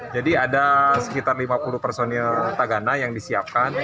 jadi ada sekitar lima puluh personil tagana yang disiapkan